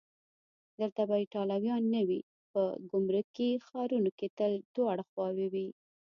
دلته به ایټالویان نه وي؟ په ګمرکي ښارونو کې تل دواړه خواوې وي.